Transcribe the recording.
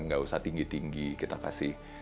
nggak usah tinggi tinggi kita kasih